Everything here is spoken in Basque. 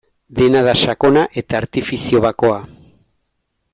Dena da sakona eta artifizio bakoa.